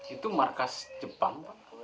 itu markas jepang